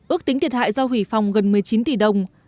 ước tính thiệt hại do hủy phòng gần một mươi chín tỷ đồng